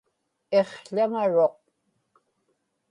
iqł̣aŋaruq